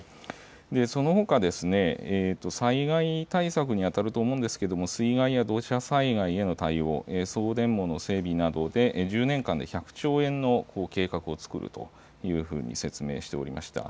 そのほか災害対策にあたると思うんですが水害や土砂災害への対応、送電網の整備などで１０年間で１００兆円の計画を作るというふうに説明をしていました。